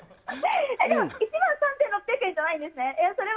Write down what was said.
でも１万３６００円じゃないんですね。